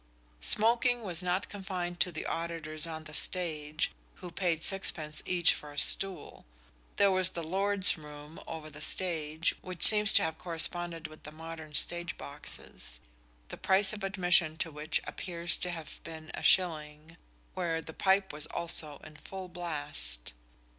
Smoking was not confined to the auditors on the stage, who paid sixpence each for a stool. There was the "lords' room" over the stage, which seems to have corresponded with the modern stage boxes, the price of admission to which appears to have been a shilling, where the pipe was also in full blast.